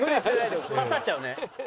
刺さっちゃうね。